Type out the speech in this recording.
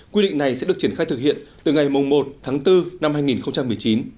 quy định này sẽ được triển khai thực hiện từ ngày một tháng bốn năm hai nghìn một mươi chín